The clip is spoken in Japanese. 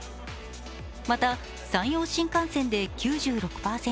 また、山陽新幹線で９６％、